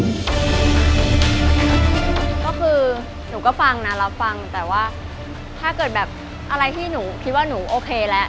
ก็คือหนูก็ฟังนะรับฟังแต่ว่าถ้าเกิดแบบอะไรที่หนูคิดว่าหนูโอเคแล้ว